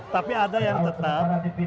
tapi ada yang tetap